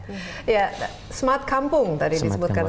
ya smart kampung tadi disebutkan